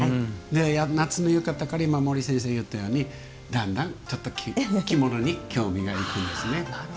夏の浴衣から今、毛利先生が言ったようにだんだん着物に興味がいくんですね。